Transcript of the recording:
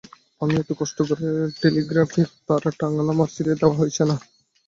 আমি এত কষ্ট করে টেলিগিরাপের তার টাঙালাম আর ছিড়ে দেওয়া হয়েছে না?